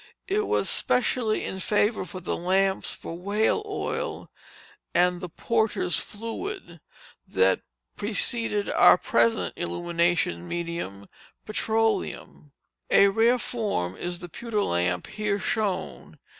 It was specially in favor for the lamps for whale oil and the "Porter's fluid," that preceded our present illuminating medium, petroleum. A rare form is the pewter lamp here shown.